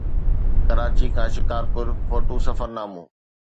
ڪراچي کان شڪارپور فوٽو سفرنامو